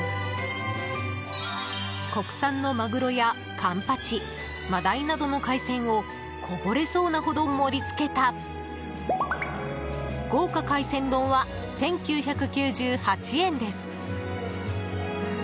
国産のマグロやカンパチ真鯛などの海鮮をこぼれそうなほど盛り付けた豪華海鮮丼は１９９８円です。